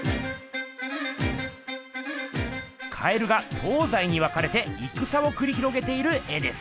蛙が東西に分かれていくさをくり広げている絵です。